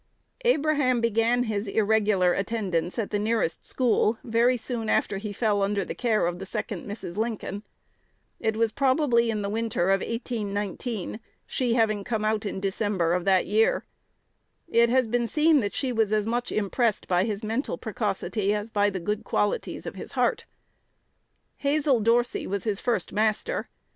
Abraham began his irregular attendance at the nearest school very soon after he fell under the care of the second Mrs. Lincoln. It was probably in the winter of 1819, she having come out in the December of that year. It has been seen that she was as much impressed by his mental precocity as by the good qualities of his heart. Hazel Dorsey was his first master.